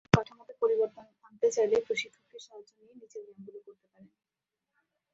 শরীরের গঠনকাঠামোতে পরিবর্তন আনতে চাইলে প্রশিক্ষকের সাহায্য নিয়ে নিচের ব্যায়ামগুলো করতে পারেন।